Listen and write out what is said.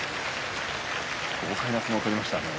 豪快な相撲を取りましたね。